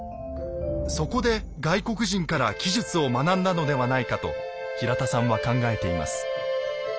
そこで外国人から奇術を学んだのではないかと平田さんは考えています。